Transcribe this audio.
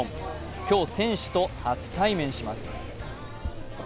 今日、選手と初対面します。